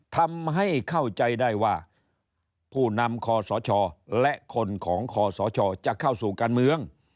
ทำให้เข้าใจได้ว่าผู้นำคอสชและคนของคอสชจะเข้าสู่การเมือง